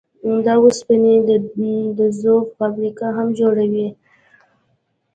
د اوسپنې د ذوب فابريکې هم جوړوي.